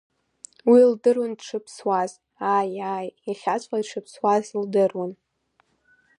Уи илдыруан дшыԥсуаз, ааи, ааи, иахьаҵәҟьа дшыԥсуаз лдыруан.